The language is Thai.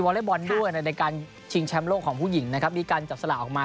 เล็กบอลด้วยในการชิงแชมป์โลกของผู้หญิงนะครับมีการจับสลากออกมา